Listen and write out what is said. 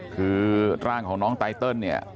คือร่างของน้องไตเติลเนี่ย